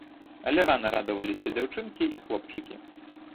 Але рана радаваліся дзяўчынкі і хлопчыкі.